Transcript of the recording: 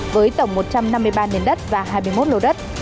với tổng một trăm năm mươi ba nền đất và hai mươi một lô đất